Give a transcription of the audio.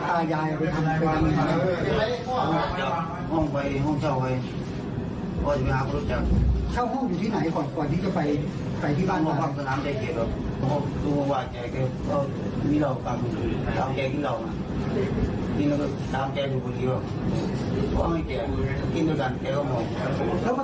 แล้วผสมอะไรให้เขากินไม่มีไม่ต้องกินเหมือนกัน